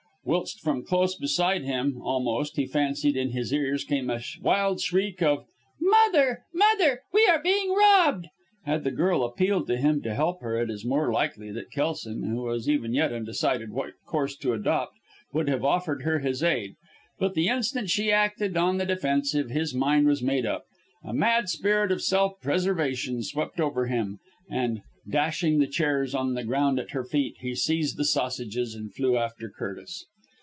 Whilst from close beside him almost, he fancied, in his ears came a wild shriek of "Mother! Mother! We are being robbed!" Had the girl appealed to him to help her it is more than likely that Kelson, who was even yet undecided what course to adopt, would have offered her his aid; but the instant she acted on the defensive his mind was made up; a mad spirit of self preservation swept over him and dashing the chairs on the ground at her feet, he seized the sausages, and flew after Curtis.